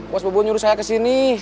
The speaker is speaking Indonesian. bos bubun nyuruh saya kesini